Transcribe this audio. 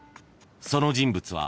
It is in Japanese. ［その人物は］